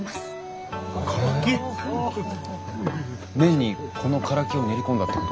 麺にこのカラキを練り込んだってこと？